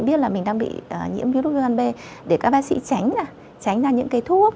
biết là mình đang bị nhiễm virus viêm gan b để các bác sĩ tránh ra những cái thuốc